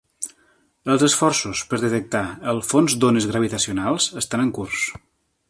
Els esforços per detectar el fons d'ones gravitacionals estan en curs.